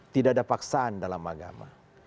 tidak ada paksaan dalam agama